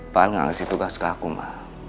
pak al enggak ngasih tugas ke aku ma